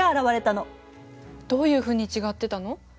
どういうふうに違ってたの？